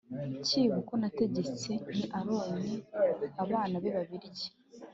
Cyibo uko nategetse nti aroni n abana be babirye